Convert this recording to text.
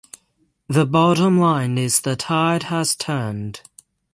The bottom line is the tide has turned.